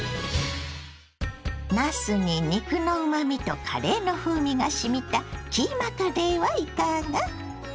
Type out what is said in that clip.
なすに肉のうまみとカレーの風味がしみたキーマカレーはいかが。